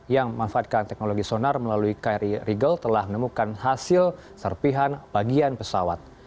yang memanfaatkan teknologi sonar melalui kri regal telah menemukan hasil serpihan bagian pesawat